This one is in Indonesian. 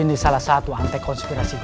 ini salah satu antek konspirasi global